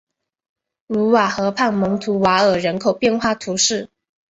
卢瓦河畔蒙图瓦尔人口变化图示